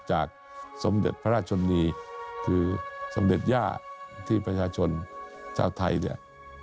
จากสมเด็จพระราชนีคือสมเด็จย่าที่ประชาชนชาวไทยเนี่ย